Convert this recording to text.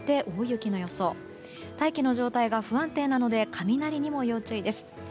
大気の状態が不安定なので雷にも要注意です。